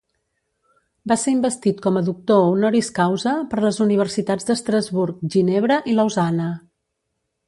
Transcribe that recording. Va ser investit com a doctor honoris causa per les universitats d'Estrasburg, Ginebra i Lausana.